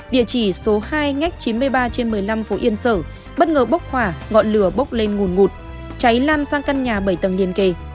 địa chỉ số hai ngách chín mươi ba trên một mươi năm phố yên sở bất ngờ bốc hỏa ngọn lửa bốc lên nguồn ngụt cháy lan sang căn nhà bảy tầng liên kề